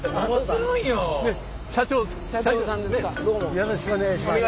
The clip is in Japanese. よろしくお願いします。